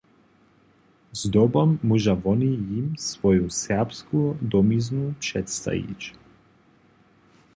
Zdobom móža woni jim swoju serbsku domiznu předstajić.